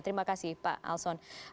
terima kasih pak alson